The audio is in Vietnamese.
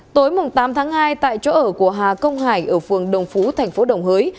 tối tám tháng hai tại chỗ ở của hà công hải ở phường đồng phú thành phố đồng hới